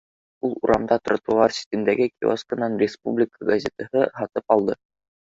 Ул урамда тротуар ситендәге киоскынан республика газетаһы һатып алды